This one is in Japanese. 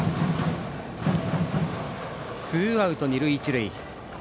ツーアウト、二塁一塁。